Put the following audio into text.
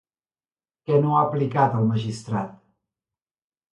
Què no ha aplicat el magistrat?